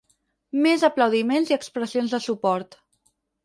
Més aplaudiments i expressions de suport.